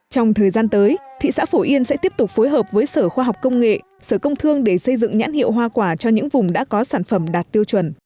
trong thời gian tới thị xã phổ yên sẽ tiếp tục phối hợp với sở khoa học công nghệ sở công thương để xây dựng nhãn hiệu hoa quả cho những vùng đã có sản phẩm đạt tiêu chuẩn